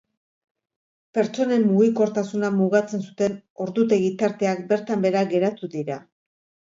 Pertsonen mugikortasuna mugatzen zuten ordutegi-tarteak bertan behera geratu dira.